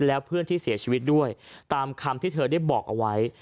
แล้วเพื่อนที่เสียชีวิตด้วยตามคำที่เธอได้บอกเอาไว้